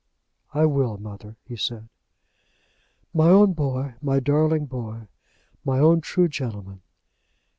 "I will, mother," he said. "My own boy; my darling boy; my own true gentleman!"